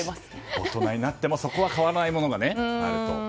大人になってもそこは変わらないものがあると。